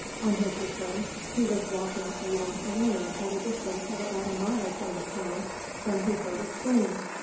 On his return he was walking along a lane at a distance of about a mile from the town, when he heard a scream.